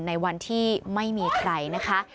ในวันที่ไม่มีใคร